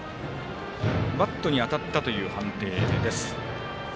バットに当たったという判定です。